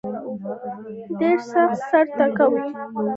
ډېر سخت سر ټکاوه.